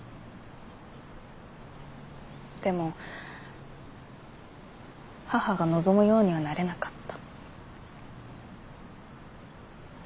でも母が望むようにはなれなかった。